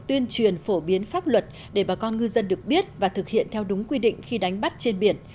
tuyên truyền phổ biến pháp luật để bà con ngư dân được biết và thực hiện theo đúng quy định khi đánh bắt trên biển